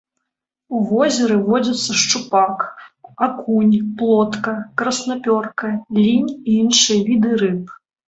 У возеры водзяцца шчупак, акунь, плотка, краснапёрка, лінь і іншыя віды рыб.